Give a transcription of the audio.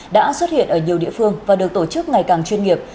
đã xuất hiện ở nhiều địa phương và được tổ chức ngày càng chuyên nghiệp